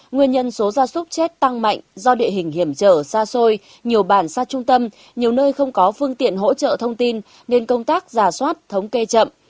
nguyên nhân số gia súc chết tăng mạnh do địa hình hiểm trở xa xôi nhiều bản xa trung tâm nhiều nơi không có phương tiện hỗ trợ thông tin nên công tác giả soát thống kê chậm